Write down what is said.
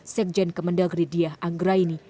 sekjen kemendagri diyah anggraini